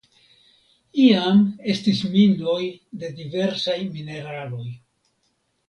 Iam estis minoj de diversaj mineraloj.